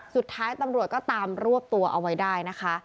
สุดท้ายตำรวจก็ตามรวบตัวเอาไว้ได้นะคะ